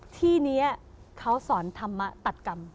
ที่นี้เขาสอนธรรมตัดกรรม